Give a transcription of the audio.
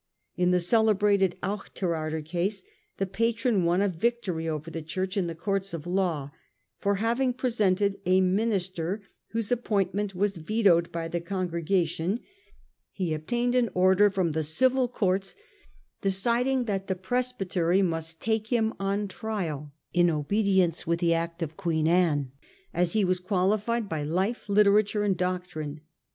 In the celebrated Auchterarder case the patron won a victory over the Church in the courts of law, for having presented a minister whose appointment was vetoed by the congregation; he obtained an order from the civil courts deciding that the presbytery must take him on trial, in obedience with the Act of Queen Anne, as he was qualified by life, literature and doctrine.